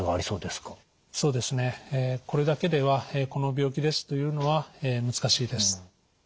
そうですねこれだけではこの病気ですというのは難しいです。